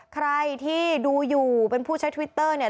ใครที่ดูอยู่เป็นผู้ใช้ทวิตเตอร์เนี่ย